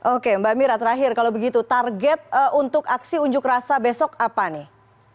oke mbak mira terakhir kalau begitu target untuk aksi unjuk rasa besok apa nih